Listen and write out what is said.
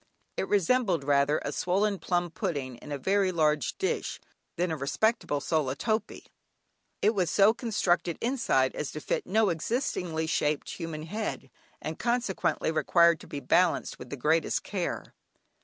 It resembled rather a swollen plum pudding in a very large dish, than a respectable sola topee. It was so constructed inside as to fit no existingly shaped human head, and consequently required to be balanced with the greatest care.